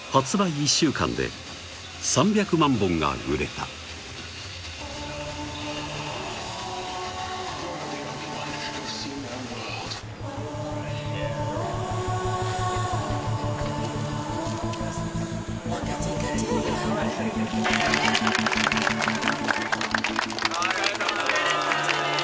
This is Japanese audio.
１週間で３００万本が売れたありがとうございます